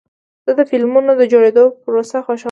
زه د فلمونو د جوړېدو پروسه خوښوم.